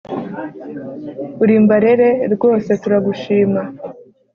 uri ‘mbarere’ rwose turagushima